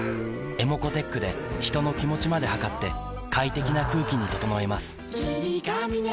ｅｍｏｃｏーｔｅｃｈで人の気持ちまで測って快適な空気に整えます